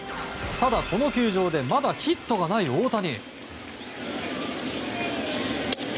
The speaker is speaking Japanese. ただ、この球場でまだヒットがない大谷。